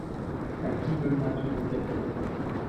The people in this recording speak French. A qui donneras-tu ton cadeau ?